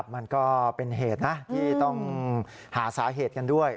มันก็เป็นเหตุนะที่ต้องหาสาเหตุกันด้วย